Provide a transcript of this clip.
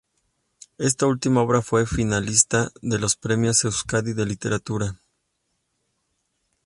Esta última obra fue finalista de los Premios Euskadi de Literatura.